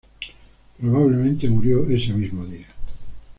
Probablemente murió ese mismo día.